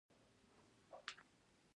بې اوبو غله نه کیږي.